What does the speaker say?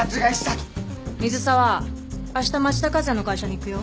水沢明日町田和也の会社に行くよ。